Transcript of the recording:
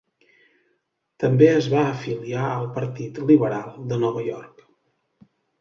També es va afiliar al Partit liberal de Nova York.